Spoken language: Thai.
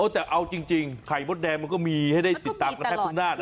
แต่เอาจริงไข่มดแดงมันก็มีให้ได้ติดตามกันแทบทุกหน้านะ